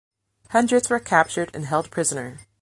Hundreds were captured and held prisoner.